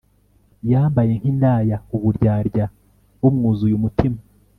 yambaye nk'indaya, uburyarya bumwuzuye umutima